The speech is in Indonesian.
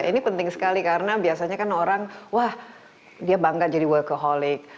ini penting sekali karena biasanya kan orang wah dia bangga jadi worker holik